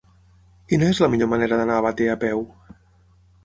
Quina és la millor manera d'anar a Batea a peu?